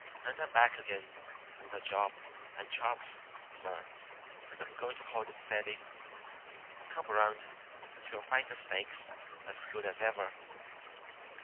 And I'm back again on the job at Chubb's, sir, and I'm going to hold it steady. Come round, and you'll find the steaks as good as ever."